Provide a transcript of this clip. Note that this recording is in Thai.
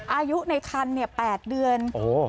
อายุในคัน๘เดือน